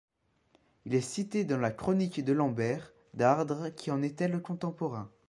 Il est cité dans la chronique de Lambert d'Ardres qui en était le contemporain.